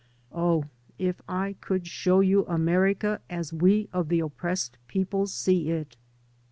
Oh, if I could show you America as we of the oppressed peoples see it!